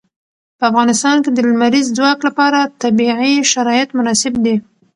په افغانستان کې د لمریز ځواک لپاره طبیعي شرایط مناسب دي.